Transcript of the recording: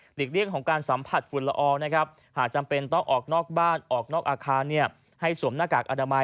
หากจำเป็นต้องออกนอกบ้านออกนอกอาคารให้สวมหน้ากากอดมัย